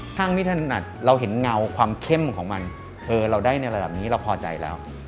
ข้างไม่ถนัดเราเห็นเงาความเข้มของมันเราได้ในระดับนี้เราพอใจแล้ว